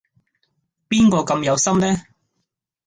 邊個咁有心呢？